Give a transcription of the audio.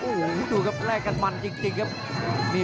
อื้อหือจังหวะขวางแล้วพยายามจะเล่นงานด้วยซอกแต่วงใน